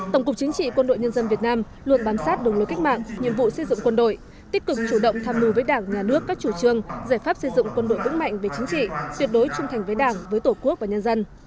tổng cục chính trị quân đội nhân dân việt nam luôn bám sát đường lối cách mạng nhiệm vụ xây dựng quân đội tích cực chủ động tham mưu với đảng nhà nước các chủ trương giải pháp xây dựng quân đội vững mạnh về chính trị tuyệt đối trung thành với đảng với tổ quốc và nhân dân